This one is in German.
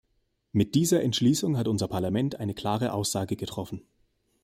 Mit dieser Entschließung hat unser Parlament eine klare Aussage getroffen.